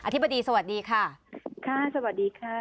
ธิบดีสวัสดีค่ะค่ะสวัสดีค่ะ